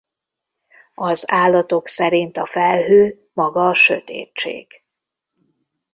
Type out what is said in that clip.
Az állatok szerint a felhő maga a Sötétség.